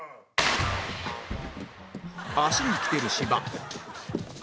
足にきてる芝